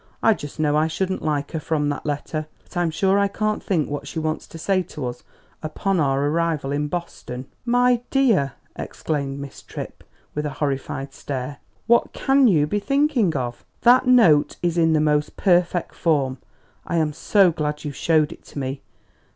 "I just know I shouldn't like her from that letter. But I'm sure I can't think what she wants to say to us 'upon our arrival in Boston.'" "My dear!" exclaimed Miss Tripp, with a horrified stare, "what can you be thinking of? That note is in the most perfect form. I am so glad you showed it to me!